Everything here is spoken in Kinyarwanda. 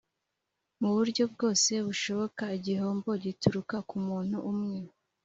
mu buryo bwose bushoboka igihombo gituruka ku muntu umwe